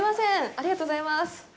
ありがとうございます。